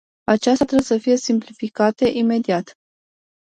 Acestea trebuie să fie simplificate imediat.